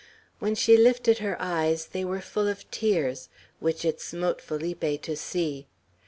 When she lifted her eyes they were full of tears, which it smote Felipe to see.